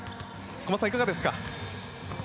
小松さん、いかがですか。